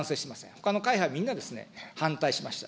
ほかの会派、みんな反対しました。